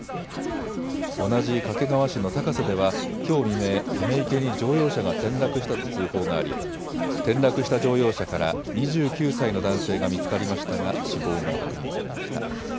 同じ掛川市の高瀬ではきょう未明、ため池に乗用車が転落したと通報があり転落した乗用車から２９歳の男性が見つかりましたが死亡が確認されました。